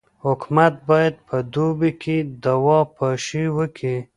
حکومت باید په دوبي کي دوا پاشي وکي.